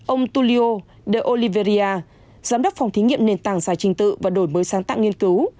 ông tulio de oliveria giám đốc phòng thí nghiệm nền tảng giải trình tự và đổi mới sáng tạo nghiên cứu